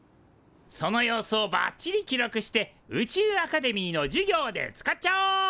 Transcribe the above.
その様子をバッチリ記録して宇宙アカデミーの授業で使っちゃおう！